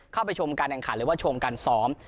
เข้าไปชมการแข่งขันหรือว่าชมการซ้อม